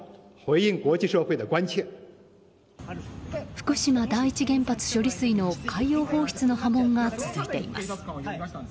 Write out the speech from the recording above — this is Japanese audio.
福島第一原発処理水の海洋放出の波紋が続いています。